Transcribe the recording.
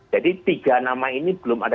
jadi tiga nama ini belum ada